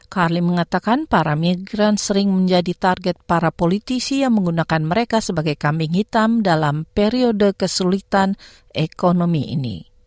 carly mengatakan para migran sering menjadi target para politisi yang menggunakan mereka sebagai kambing hitam dalam periode kesulitan ekonomi ini